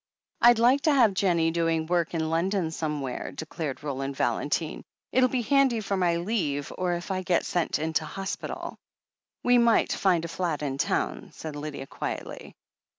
"I'd like to have Jennie doing work in London some where," declared Roland Valentine. "It'll be handy for my leave, or if I get sent into hospital." "We might find a flat in town," said Lydia quietly.